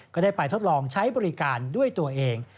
ก็ได้ไปทดลองใช้บริการด้วยตัวเอง